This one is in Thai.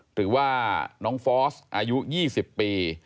หรือว่าน้องฟอสอายุ๒๐ปี